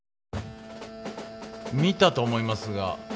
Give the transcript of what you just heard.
見たと思いますが？